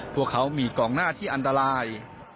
พวกเขามีกองหน้าที่อันตราย